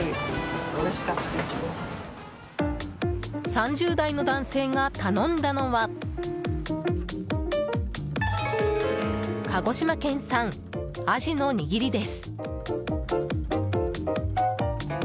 ３０代の男性が頼んだのは鹿児島県産、アジの握りです。